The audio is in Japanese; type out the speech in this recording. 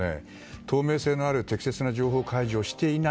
透明性のある適切な情報開示をしていない。